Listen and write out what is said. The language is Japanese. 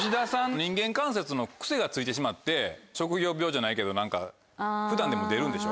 人間観察の癖がついてしまって職業病じゃないけど普段でも出るんでしょ？